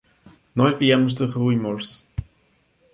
Nós viemos de Riumors.